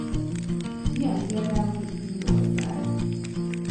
Ilyen például Írország.